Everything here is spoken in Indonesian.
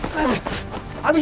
saya akan menang